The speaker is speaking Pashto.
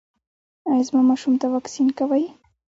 ایا زما ماشوم ته واکسین کوئ؟